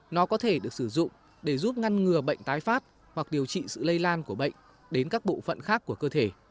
nó có thể được sử dụng để giúp ngăn ngừa bệnh tái phát hoặc điều trị sự lây lan của bệnh đến các bộ phận khác của cơ thể